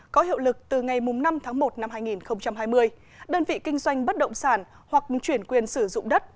có hiệu lực từ ngày năm tháng một năm hai nghìn hai mươi đơn vị kinh doanh bất động sản hoặc chuyển quyền sử dụng đất